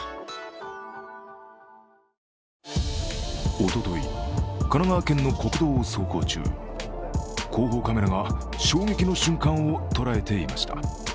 おととい、神奈川県の国道を走行中、後方カメラが衝撃の瞬間を捉えていました。